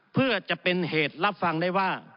เพื่อจะเป็นเหตุรับฟังได้ว่า